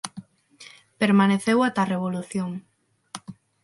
Permaneceu ata a revolución.